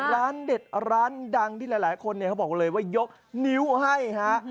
ร้านเด็ดร้านดังที่หลายคนเนี่ยเขาบอกเลยว่ายกนิ้วให้ฮะ